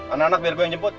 anak anak biar gue yang jemput